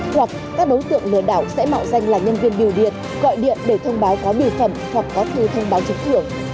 hoặc các đối tượng lừa đảo sẽ mạo danh là nhân viên biểu điện gọi điện để thông báo có biểu phẩm hoặc có thư thông báo trúng thưởng